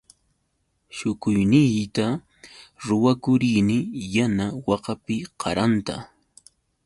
Shukuyniyta ruwakuruni yana wakapi qaranta.